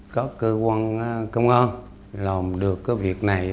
các cơ quan công an làm được cái việc này